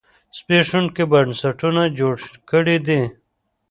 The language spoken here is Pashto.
زبېښونکي بنسټونه جوړ کړي دي.